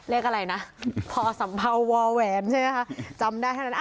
เรียกอะไรนะพอสัมเภาววาแหวนใช่ไหมจำได้ทั้งนั้น